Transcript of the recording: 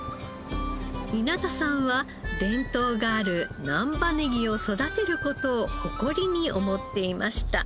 稲田さんは伝統がある難波ネギを育てる事を誇りに思っていました。